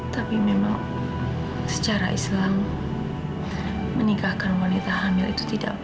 tapi memang secara islam menikahkan wanita hamil itu tidak pernah